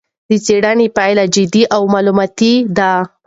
د څېړنې پایلې جدي او معلوماتي دي.